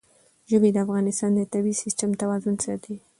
ژبې د افغانستان د طبعي سیسټم توازن ساتي.